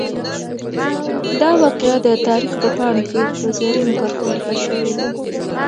دا واقعه د تاریخ په پاڼو کې په زرینو کرښو لیکل شوې ده.